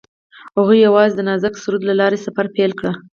هغوی یوځای د نازک سرود له لارې سفر پیل کړ.